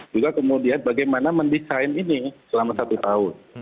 juga kemudian bagaimana mendesain ini selama satu tahun